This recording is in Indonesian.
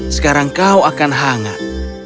sekarang kau akan hangat